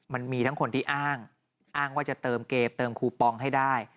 มันมีทั้งคนที่อ้างอ้างว่าจะเติมเกมเติมคูปองให้ได้